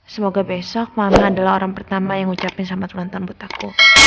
semoga besok mama adalah orang pertama yang ngucapin selamat ulang tahun buat aku